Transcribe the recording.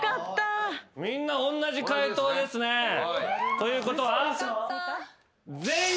ということは？